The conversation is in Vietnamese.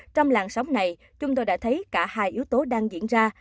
trong làng sóng này chúng tôi đã thấy cả hai yếu tố đang diễn ra